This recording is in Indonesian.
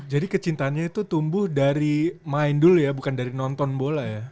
jadi kecintanya itu tumbuh dari main dulu ya bukan dari nonton bola ya